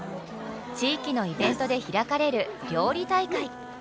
地域のイベントで開かれる料理大会。